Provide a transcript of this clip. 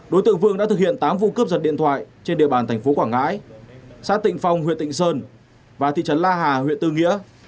đối tượng vương đã thực hiện tám vụ cướp giật điện thoại trên địa bàn thành phố quảng ngãi xã tịnh phong huyện tịnh sơn và thị trấn la hà huyện tư nghĩa